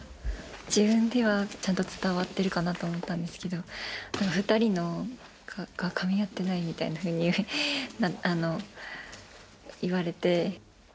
自分ではちゃんと伝わってるかなと思ったんですけど、２人がかみ合ってないみたいなふうに言われて。